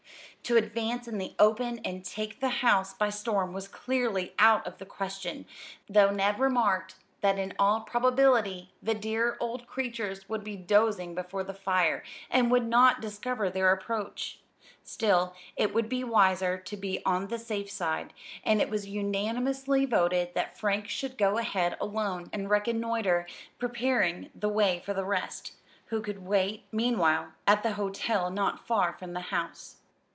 To advance in the open and take the house by storm was clearly out of the question, though Ned remarked that in all probability the dear old creatures would be dozing before the fire, and would not discover their approach. Still, it would be wiser to be on the safe side; and it was unanimously voted that Frank should go ahead alone and reconnoiter, preparing the way for the rest, who could wait, meanwhile, at the little hotel not far from the house.